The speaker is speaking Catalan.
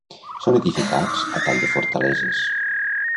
Són edificats a tall de fortaleses